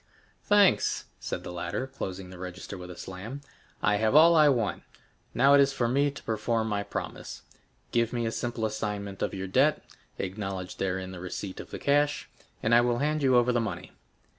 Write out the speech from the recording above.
"Thanks," said the latter, closing the register with a slam, "I have all I want; now it is for me to perform my promise. Give me a simple assignment of your debt; acknowledge therein the receipt of the cash, and I will hand you over the money."